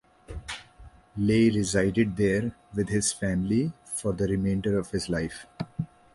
Ley resided there with his family for the remainder of his life.